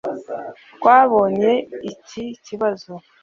twabonye iki kibazo